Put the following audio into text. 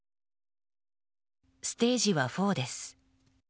ステージは４です。